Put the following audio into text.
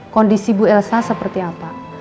kondisi bu elsa seperti apa